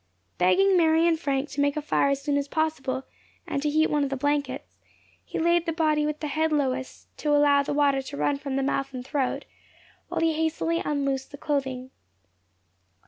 Begging Mary and Frank to make a fire as soon as possible, and to heat one of the blankets, he laid the body with the head lowest, to allow the water to run from the mouth and throat, while he hastily unloosed the clothing.